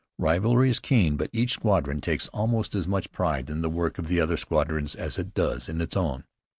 Rivalry is keen, but each squadron takes almost as much pride in the work of the other squadrons as it does in its own.